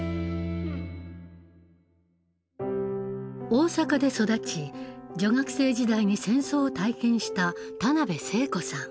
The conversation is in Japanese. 大阪で育ち女学生時代に戦争を体験した田辺聖子さん。